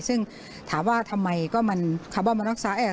ซึ่งถามว่าทำไมก็มันคาร์บอนมันรักษา